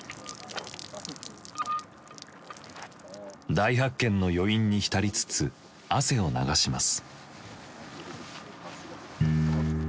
大発見の余韻に浸りつつ汗を流します。